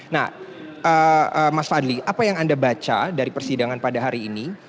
nah mas fadli apa yang anda baca dari persidangan pada hari ini